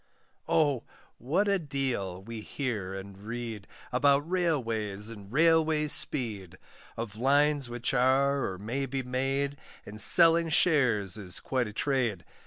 Oh! what a deal we hear and read, About Railways and Railway speed! Of lines which are, or may be made, And selling shares is quite a trade.